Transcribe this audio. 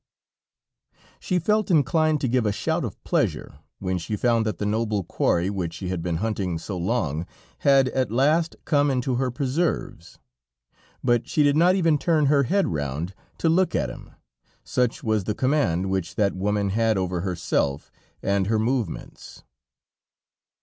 She felt inclined to give a shout of pleasure when she found that the noble quarry, which she had been hunting so long, had at last come into her preserves, but she did not even turn her head round to look at him, such was the command which that woman had over herself and her movements.